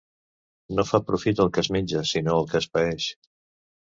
No fa profit el que es menja, sinó el que es paeix.